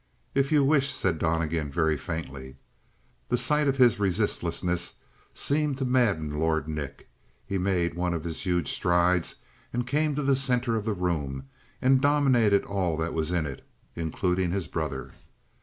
"If you wish," said Donnegan very faintly. The sight of his resistlessness seemed to madden Lord Nick. He made one of his huge strides and came to the center of the room and dominated all that was in it, including his brother.